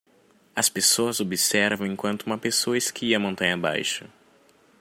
As pessoas observam enquanto uma pessoa esquia montanha abaixo.